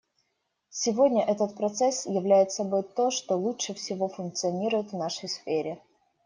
Сегодня этот процесс являет собой то, что лучше всего функционирует в нашей сфере.